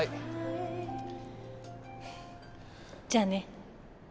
じゃあね。